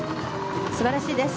素晴らしいです。